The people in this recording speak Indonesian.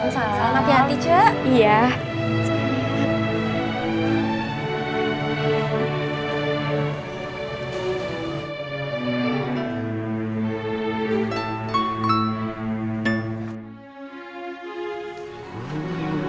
selamat hati hati cek